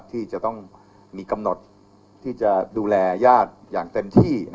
ที่จะต้องมีกำหนดที่จะดูแลญาติอย่างเต็มที่